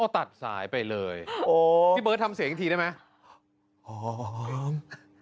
ตัดสายไปเลยพี่เบิร์ดทำเสียงอีกทีได้ไหม